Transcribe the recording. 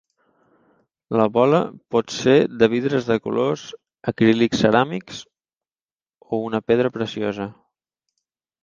La bola pot ser de vidres de colors, acrílics, ceràmics, o una pedra preciosa.